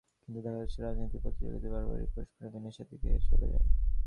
কিন্তু দেখা যাচ্ছে, রাজনীতির প্রতিযোগিতা বারবারই পরস্পরের বিনাশের দিকে চলে যায়।